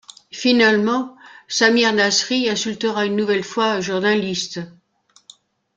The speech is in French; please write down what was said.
Finalement, Samir Nasri insultera une nouvelle fois un journaliste.